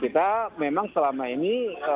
kita memang selama ini